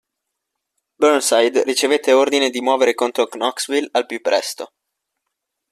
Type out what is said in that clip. Burnside ricevette ordine di muovere contro Knoxville al più presto.